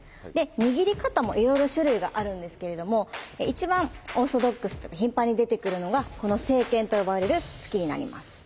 握り方もいろいろ種類があるんですけれども一番オーソドックスというか頻繁に出てくるのがこの「正拳」と呼ばれる突きになります。